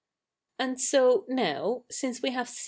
^ And so 7tow, since we have see?